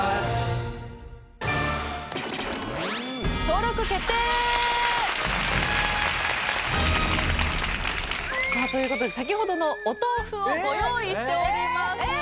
登録決定！という事で先ほどのお豆腐をご用意しております。